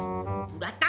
udah tau salah